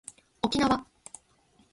沖縄